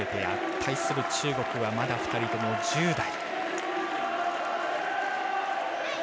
対する中国はまだ２人とも１０代。